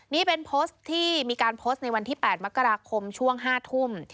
นี่เป็นโพสต์ที่มีการโพสต์ในวันที่๘มกราคมช่วง๕ทุ่ม